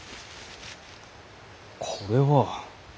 これは。